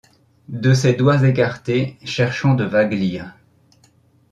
De ses doigts écartés Cherchant de vagues lyres